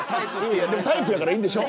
でもタイプだからいいんでしょ。